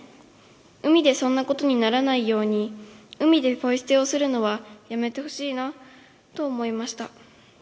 海でそんなことにならないように海でポイすてをするのはやめてほしいなと思いました。